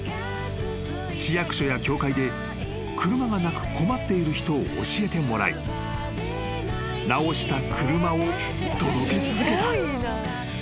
［市役所や教会で車がなく困っている人を教えてもらい直した車を届け続けた］